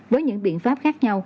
với những biện pháp khác nhau